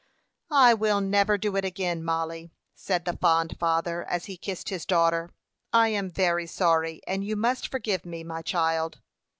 "I will never do it again, Mollie," said the fond father, as he kissed his daughter. "I am very sorry, and you must forgive me, my child."